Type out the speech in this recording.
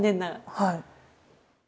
はい。